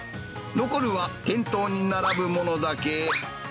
残るは店頭に並ぶものだけ。